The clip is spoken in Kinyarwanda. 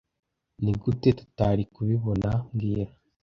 Nigute tutari kubibona mbwira